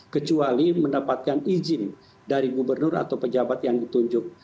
kecuali mendapatkan izin dari gubernur atau pejabat yang ditunjuk